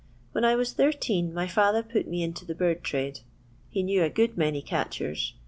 When I was thirteen my father put me into the bird trade. He knew a good many catchers.